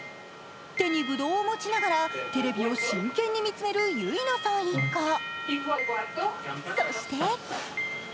手にぶどうを持ちながらテレビを真剣に見つめるゆいなさん一家。